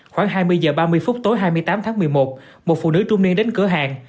khoảng hai mươi h ba mươi phút tối hai mươi tám tháng một mươi một một phụ nữ trung niên đến cửa hàng